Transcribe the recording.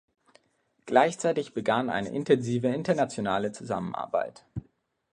Gleichzeitig begann eine intensive internationale Zusammenarbeit.